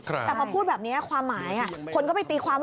แต่พอพูดแบบนี้ความหมายคนก็ไปตีความ